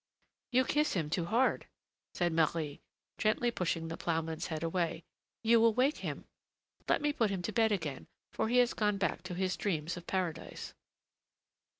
"You kiss him too hard," said Marie, gently pushing the ploughman's head away, "you will wake him. Let me put him to bed again, for he has gone back to his dreams of paradise."